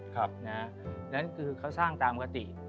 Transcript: เพราะฉะนั้นคือเขาสร้างตามปกติ